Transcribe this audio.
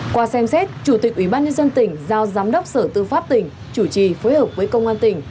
qua xem xét chủ tịch ủy ban nhân dân tỉnh giao giám đốc sở tư pháp tỉnh chủ trì phối hợp với công an tỉnh